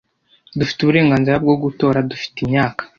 Dufite uburenganzira bwo gutora dufite imyaka